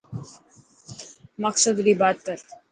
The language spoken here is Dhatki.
مقصد ري بات ڪر.